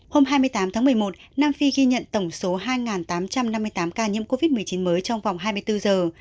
hôm hai mươi tám tháng một mươi một nam phi ghi nhận tổng số hai tám trăm năm mươi tám ca nhiễm covid một mươi chín mới trong vòng hai mươi bốn giờ